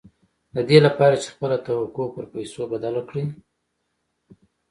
د دې لپاره چې خپله توقع پر پيسو بدله کړئ.